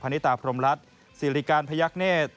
นิตาพรมรัฐสิริการพยักเนธ